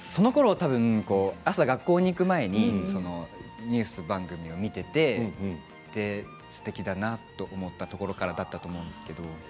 朝、学校に行く前にニュース番組を見ていてすてきだなと思ったところからだったと思うんですけれど。